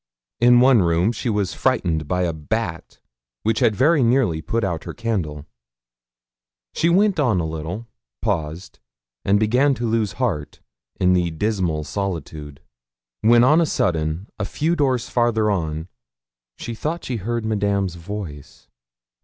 In one room she was frightened by a bat, which had very nearly put her candle out. She went on a little, paused, and began to lose heart in the dismal solitude, when on a sudden, a few doors farther on, she thought she heard Madame's voice.